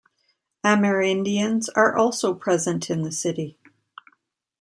Amerindians are also present in the city.